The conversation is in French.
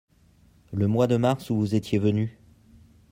Le mois de mars où vous étiez venus.